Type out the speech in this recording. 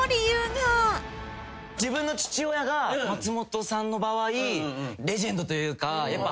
自分の父親が松本さんの場合レジェンドというかやっぱ。